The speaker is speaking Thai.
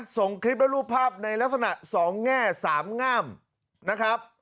ส่งคลิปและรูปภาพในลักษณะ๒แง่สามงามนะครับ